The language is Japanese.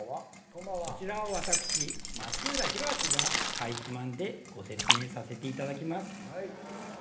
こちらを私松浦弘明がかいつまんでご説明させていただきます